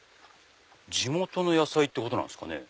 地元の野菜ってことなんすかね。